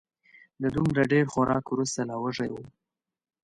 د دومره ډېر خوراک وروسته لا وږی و